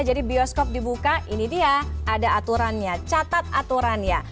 jadi bioskop dibuka ini dia ada aturannya catat aturannya